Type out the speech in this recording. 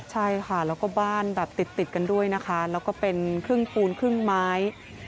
ใช่ค่ะแล้วก็บ้านแบบติดกันด้วยนะคะแล้วก็เป็นครึ่งปูนครึ่งไม้